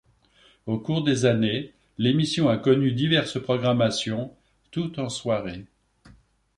Au cours des années, l'émission a connu diverses programmations, toutes en soirée.